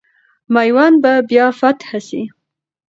میوند به بیا فتح سي.